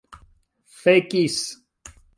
fekis